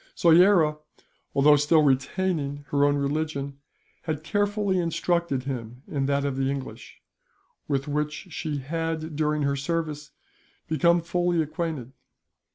Soyera, although still retaining her own religion, had carefully instructed him in that of the English; with which she had, during her service, become fully acquainted.